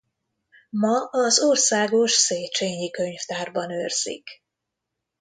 Ma az Országos Széchényi Könyvtárban őrzik.